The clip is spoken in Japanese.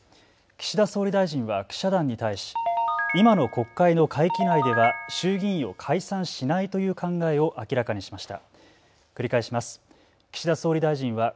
岸田総理大臣は記者団に対し今の国会の会期内では衆議院を解散しないという考えを明らかにしました。